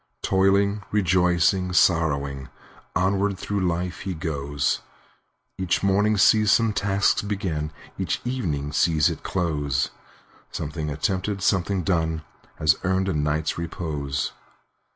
Toiling,—rejoicing,—sorrowing, Onward through life he goes; Each morning sees some task begin, Each evening sees it close; Something attempted, something done. Has earned a night's repose.